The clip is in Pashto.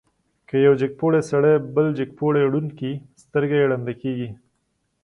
که یو جګپوړی سړی بل جګپوړی ړوند کړي، سترګه یې ړنده کېږي.